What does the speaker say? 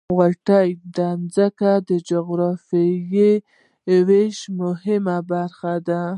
• غونډۍ د ځمکې د جغرافیوي ویش مهمه برخه ده.